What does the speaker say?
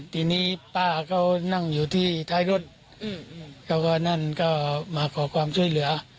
ทีนี้ป้าเขานั่งอยู่ที่ท้ายรถเขาก็นั่นก็มาขอความช่วยเหลือ